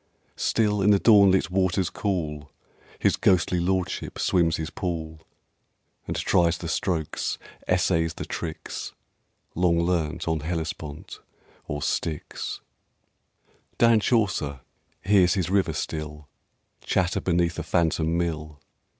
Still in the dawnlit waters cool His ghostly Lordship swims his pool, And tries the strokes, essays the tricks, Long learnt on Hellespont, or Styx. Dan Chaucer hears his river still Chatter beneath a phantom mill.